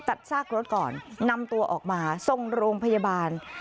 ซากรถก่อนนำตัวออกมาส่งโรงพยาบาล